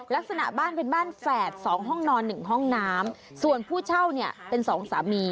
ลักษณะบ้านเป็นบ้านแฝดสองห้องนอนหนึ่งห้องน้ำส่วนผู้เช่าเนี่ยเป็นสองสามี